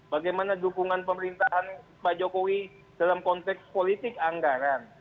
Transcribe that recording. bagaimana dukungan pemerintahan pak jokowi dalam konteks politik anggaran